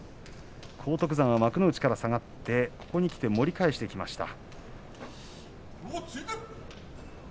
荒篤山は幕内から下がってここにきて盛り返してきました。